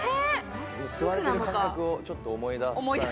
吸われてる感覚をちょっと思い出さないと。